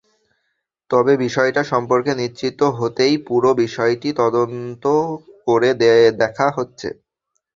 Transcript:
তবে বিষয়টা সম্পর্কে নিশ্চিত হতেই পুরো বিষয়টি তদন্ত করে দেখা হচ্ছে।